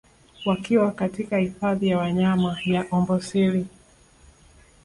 Wakiwa katika hifadhi ya wanyama ya Amboseli